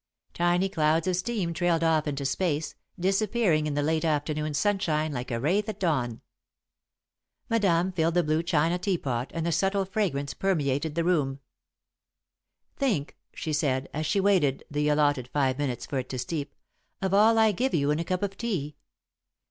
Tiny clouds of steam trailed off into space, disappearing in the late afternoon sunshine like a wraith at dawn. Madame filled the blue china tea pot and the subtle fragrance permeated the room. [Sidenote: A Cup of Tea] "Think," she said, as she waited the allotted five minutes for it to steep, "of all I give you in a cup of tea.